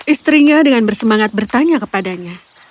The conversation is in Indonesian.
istrinya dengan bersemangat bertanya kepadanya